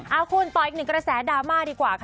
เอาคุณต่ออีก๑กระแสดาร์มาดีกว่าค่ะ